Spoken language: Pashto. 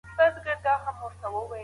طبي پاملرنه د ژوند حق برخه ده.